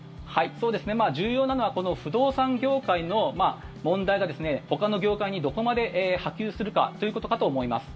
重要なのは不動産業界の問題がほかの業界にどこまで波及するかということかと思います。